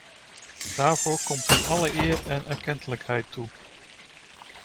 Daarvoor komt u alle eer en erkentelijkheid toe.